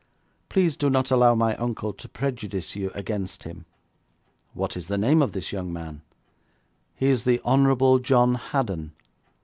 Please do not allow my uncle to prejudice you against him.' 'What is the name of this young man?' 'He is the Honourable John Haddon.'